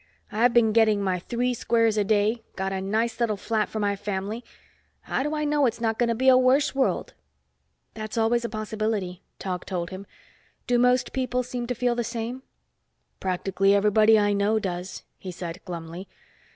I've been getting my three squares a day, got a nice little flat for my family. How do I know it's not going to be a worse world?" "That's always a possibility," Tog told him. "Do most people seem to feel the same?" "Practically everybody I know does," he said glumly.